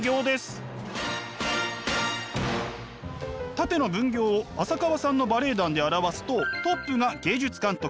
縦の分業を浅川さんのバレエ団で表すとトップが芸術監督